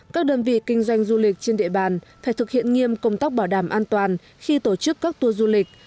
các đơn vị kinh doanh du lịch trên địa bàn phải thực hiện nghiêm công tác bảo đảm an toàn khi tổ chức các tour du lịch